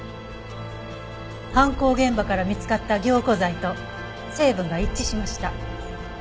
犯行現場から見つかった凝固剤と成分が一致しました。